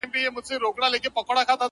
زلمو به زړونه ښکلیو نجونو ته وړیا ورکول٫